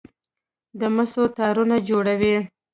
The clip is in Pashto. د مسو تارونه جوړوي.